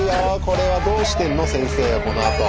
これはどうしてんの先生はこのあと。